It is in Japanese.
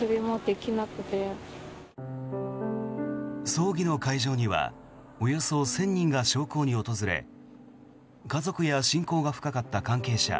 葬儀の会場にはおよそ１０００人が焼香に訪れ家族や親交が深かった関係者